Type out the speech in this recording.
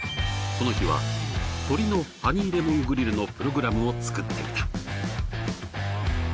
この日は鶏のハニーレモングリルのプログラムを作っていた。